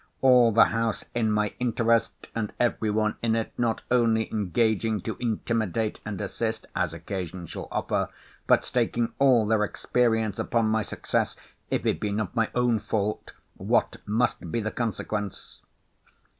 All the house in my interest, and every one in it not only engaging to intimidate and assist, as occasion shall offer, but staking all their experience upon my success, if it be not my own fault, what must be the consequence?